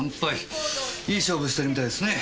いい勝負してるみたいですね。